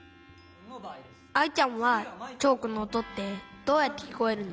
☎アイちゃんはチョークのおとってどうやってきこえるの？